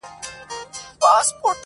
• نه چا د پیر بابا له قبر سره -